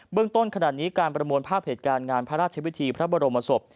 ต้นขนาดนี้การประมวลภาพเหตุการณ์งานพระราชวิธีพระบรมศพ